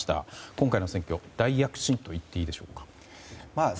今回の選挙大躍進といっていいでしょうか。